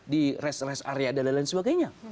di rest rest area dan lain lain sebagainya